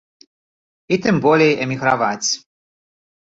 І, тым болей, эміграваць.